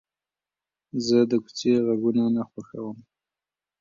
زه د کوڅې غږونه نه خوښوم.